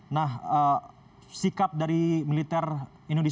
nah sikap dari militer indonesia